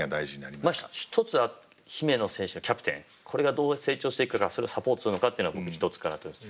一つは姫野選手がキャプテンこれがどう成長していくかそれをサポートするのかっていうのが僕一つかなと思います。